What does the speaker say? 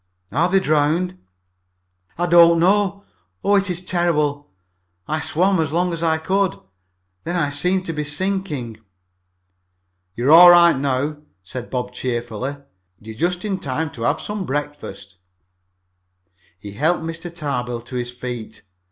"Are they drowned?" "I don't know! Oh, it is terrible! I swam as long as I could, then I seemed to be sinking." "You're all right now," said Bob cheerfully. "You're just in time to have some breakfast." He helped Mr. Tarbill to his feet.